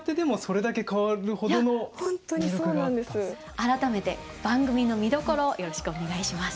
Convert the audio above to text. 改めて番組の見どころをよろしくお願いします。